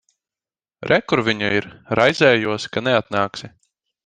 Re, kur viņa ir. Raizējos, ka neatnāksi.